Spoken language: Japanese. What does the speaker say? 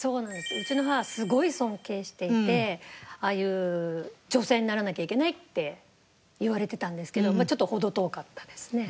うちの母がすごい尊敬していてああいう女性にならなきゃいけないって言われてたんですけどちょっと程遠かったですね。